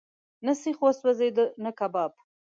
نه سیخ وسوځېد، نه کباب.